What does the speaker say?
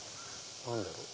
何だろう？